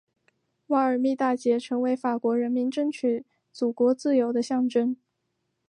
瓦尔密大捷成为法国人民争取祖国自由的象征。